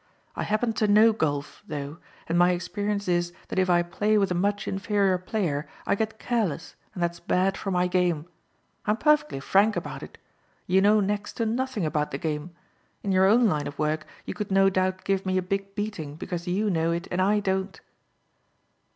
I happen to know golf, though, and my experience is that if I play with a much inferior player I get careless and that's bad for my game. I'm perfectly frank about it. You know next to nothing about the game. In your own line of work you could no doubt give me a big beating because you know it and I don't."